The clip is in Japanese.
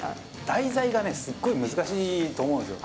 題材がね、すごい難しいと思うんですよ。